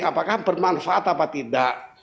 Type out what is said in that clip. apakah bermanfaat apa tidak